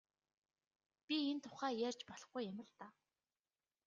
Би энэ тухай ярьж болохгүй юм л даа.